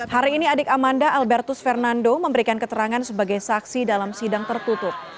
hari ini adik amanda albertus fernando memberikan keterangan sebagai saksi dalam sidang tertutup